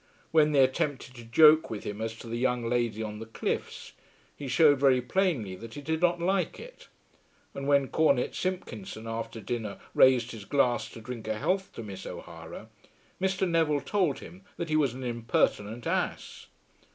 When they attempted to joke with him as to the young lady on the cliffs, he showed very plainly that he did not like it; and when Cornet Simpkinson after dinner raised his glass to drink a health to Miss O'Hara, Mr. Neville told him that he was an impertinent ass.